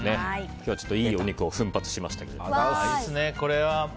今日はちょっといいお肉を奮発しましたけど。